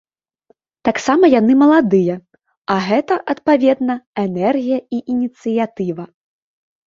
Таксама яны маладыя, а гэта, адпаведна, энергія і ініцыятыва.